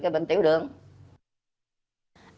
cái bệnh tật là không thể nào mà điều trị được